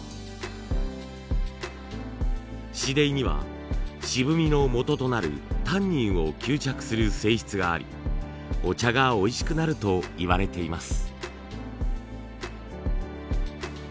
紫泥には渋みのもととなるタンニンを吸着する性質がありお茶がおいしくなるといわれています。